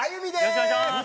よろしくお願いします！